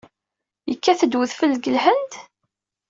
Yekkat-d udfel deg Lhend?